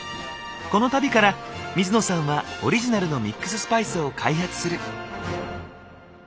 この旅から水野さんはオリジナルのミックススパイスを開発する。